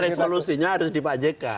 resolusinya harus di pak jk